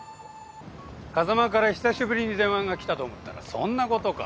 風真から久しぶりに電話が来たと思ったらそんなことか。